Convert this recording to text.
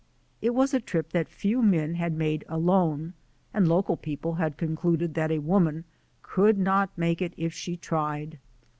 It was a trip that few men had made alone, and local people had concluded that a woman could not make it if she tried.